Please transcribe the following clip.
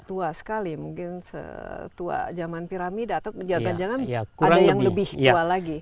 tua sekali mungkin setua zaman piramida atau jangan jangan ada yang lebih tua lagi